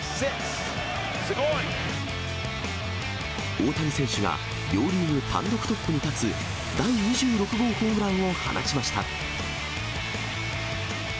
大谷選手が、両リーグ単独トップに立つ第２６号ホームランを放ちました。